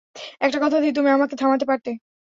একটা কথা দিয়ে তুমি আমাকে থামাতে পারতে।